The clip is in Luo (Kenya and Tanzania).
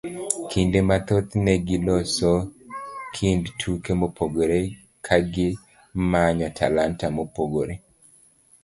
Kinde mathoth ne giloso kind tuke mopogore kagimanyo talanta mopogore.